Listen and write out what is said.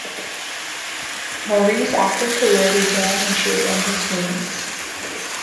Marie's acting career began when she was in her teens.